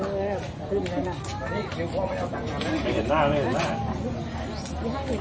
มีการกลัว